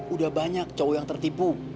udah banyak cowok yang tertipu